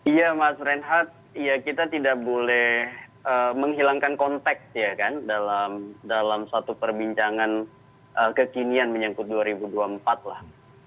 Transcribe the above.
iya mas reinhardt ya kita tidak boleh menghilangkan konteks ya kan dalam satu perbincangan kekinian menyangkut dua ribu dua puluh empat lah